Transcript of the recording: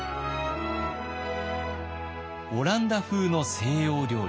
オランダ風の西洋料理。